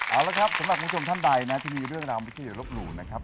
เอาละครับสำหรับคุณผู้ชมท่านใดนะที่มีเรื่องราวไม่ใช่อย่าลบหลู่นะครับ